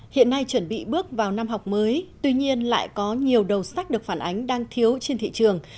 hiện nay chuẩn bị bước vào năm học mới tuy nhiên lại có nhiều đầu sách được phản ánh đang thiếu trên thị trường